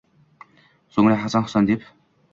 So‘ngra Hasan-Husan deb